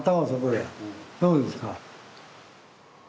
そうですか。